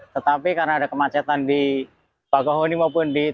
tetapi karena ada kemacetan di bagahuni maupun di